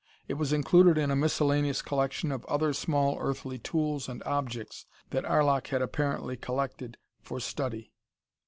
It was included in a miscellaneous collection of other small earthly tools and objects that Arlok had apparently collected for study.